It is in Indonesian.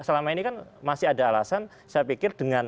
selama ini kan masih ada alasan saya pikir dengan